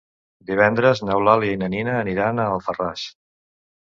Divendres n'Eulàlia i na Nina aniran a Alfarràs.